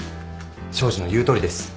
東海林の言うとおりです。